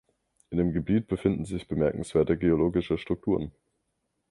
In dem Gebiet befinden sich bemerkenswerte geologische Strukturen.